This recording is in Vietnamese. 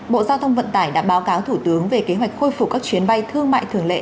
bộ giao thông vận tải đã báo cáo thủ tướng về kế hoạch khôi phục các chuyến bay thương mại thường lệ